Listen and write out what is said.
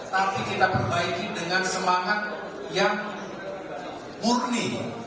tapi kita perbaiki dengan semangat yang murni